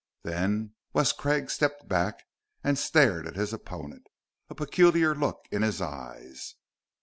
Then Wes Craig stepped back and stared at his opponent, a peculiar look in his eyes.